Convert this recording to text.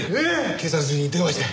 警察に電話して。